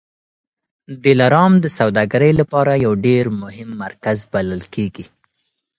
دلارام د سوداګرۍ لپاره یو ډېر مهم مرکز بلل کېږي.